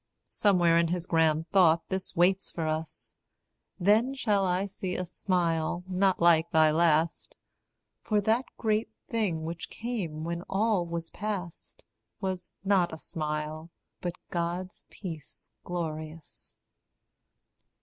Somewhere in his grand thought this waits for us. Then shall I see a smile not like thy last For that great thing which came when all was past, Was not a smile, but God's peace glorious.